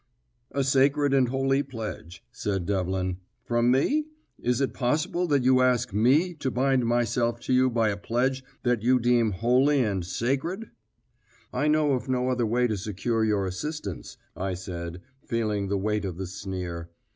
"A sacred and holy pledge," said Devlin, "from me? Is it possible that you ask me to bind myself to you by a pledge that you deem holy and sacred?" "I know of no other way to secure your assistance," I said, feeling the weight of the sneer.